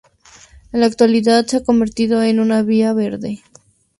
En la actualidad se ha convertido en una vía verde